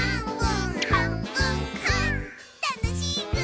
たのしいぐ！